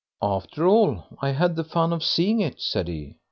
"After all, I had the fun of seeing it", said he.